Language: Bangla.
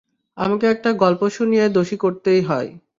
আমাকে একটা গল্প শুনিয়ে দোষী করতেই হয়!